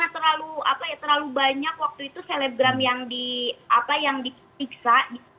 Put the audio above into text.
karena terlalu banyak waktu itu selebgram yang di apa yang diperiksa